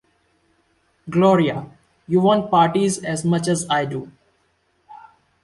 Gloria, you want parties as much as I do.